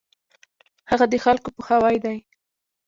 هغه د خلکو پوهاوی دی.